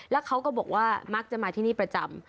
แล้วเขาก็บอกว่ามักจะมาที่นี่ประจำ